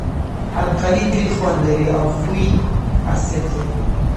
القلي تریخ خوند لري او ښوی خاصیت لري.